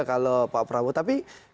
kalau pak prabowo tapi